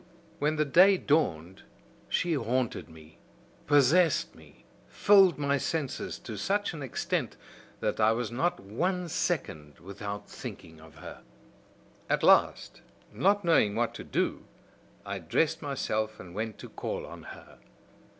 "When the day dawned she haunted me, possessed me, filled my senses to such an extent that I was not one second without thinking of her. "At last, not knowing what to do, I dressed myself and went to call on her.